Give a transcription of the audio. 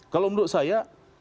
kalau menurut saya